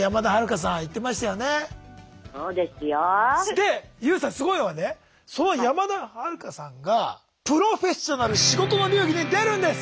でＹＯＵさんすごいのはねその山田はるかさんが「プロフェッショナル仕事の流儀」に出るんです！